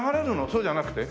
そうじゃなくて？